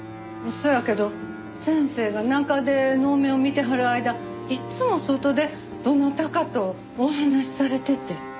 そやけど先生が中で能面を見てはる間いつも外でどなたかとお話しされてて。